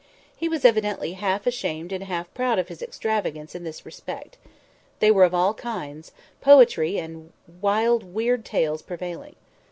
He was evidently half ashamed and half proud of his extravagance in this respect. They were of all kinds—poetry and wild weird tales prevailing.